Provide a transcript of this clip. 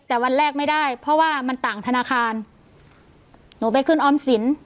แต่วันแรกไม่ได้เพราะว่ามันต่างธนาคารหนูไปขึ้นออมสิน